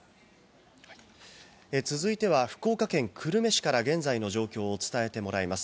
続いては、福岡県久留米市から現在の状況を伝えてもらいます。